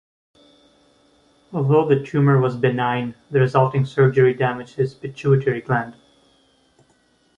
Although the tumor was benign, the resulting surgery damaged his pituitary gland.